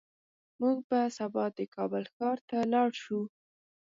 موږ به سبا د کابل ښار ته لاړ شو